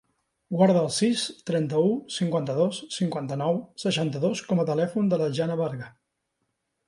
Guarda el sis, trenta-u, cinquanta-dos, cinquanta-nou, seixanta-dos com a telèfon de la Jana Varga.